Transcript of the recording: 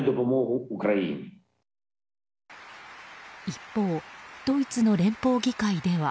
一方、ドイツの連邦議会では。